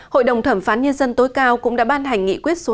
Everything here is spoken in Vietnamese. hội đồng thẩm phán nhân dân tối cao cũng đã ban hành nghị quyết số năm